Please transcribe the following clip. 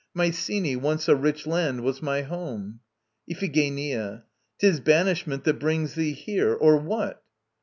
Mycenae, once a rich land, was my home. IPHIGENIA. 'Tis banishment that brings thee here or what?